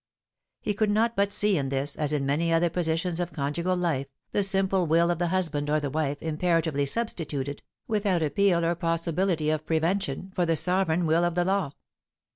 He could not but see in this, as in many other positions of conjugal life, the simple will of the husband or the wife imperatively substituted, without appeal or possibility of prevention, for the sovereign will of the law.